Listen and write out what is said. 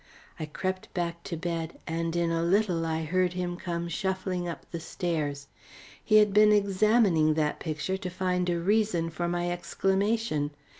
I crept back to bed and in a little I heard him come shuffling up the stairs. He had been examining that picture to find a reason for my exclamation.